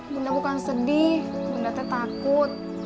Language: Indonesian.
bunda bukan sedih bundanya takut